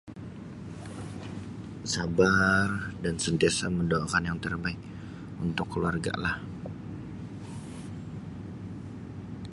Sabar dan sentiasa mendoakan yang terbaik untuk keluarga lah.